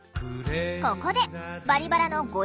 ここで「バリバラ」のご意見